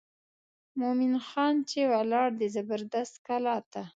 مومن خان چې ولاړ د زبردست کلا ته.